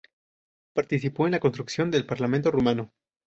Participó en la construcción del Parlamento Rumano.